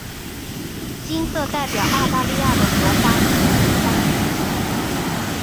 金色代表澳大利亚的国花金合欢。